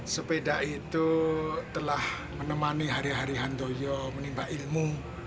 sepeda itu telah menemani hari hari handoyo menimba ilmu